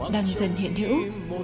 đang dần hiện hữu